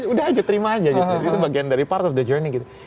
udah aja terima aja gitu itu bagian dari part of the joining gitu